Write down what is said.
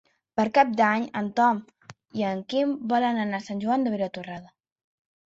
Per Cap d'Any en Tom i en Quim volen anar a Sant Joan de Vilatorrada.